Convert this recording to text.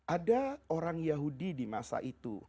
ada orang yahudi di masa itu